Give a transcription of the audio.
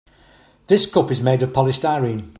This cup is made of polystyrene.